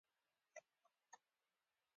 خپل بوټونه یې په پټو کې پیچلي شاته اچولي وه.